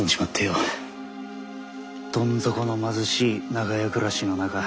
どん底の貧しい長屋暮らしの中